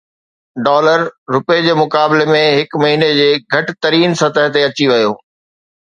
dollar رپئي جي مقابلي ۾ هڪ مهيني جي گهٽ ترين سطح تي اچي ويو